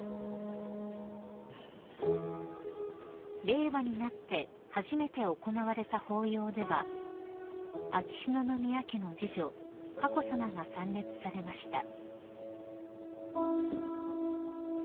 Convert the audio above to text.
［令和になって初めて行われた法要では秋篠宮家の次女佳子さまが参列されました］